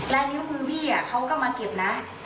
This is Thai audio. ลายนิ้วมือพี่เขาก็มาเก็บนะ